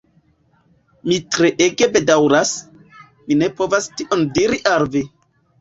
Mi treege bedaŭras, mi ne povas tion diri al vi.